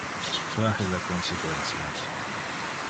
Trahe le consequentias.